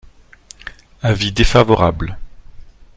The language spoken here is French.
Avis défavorable.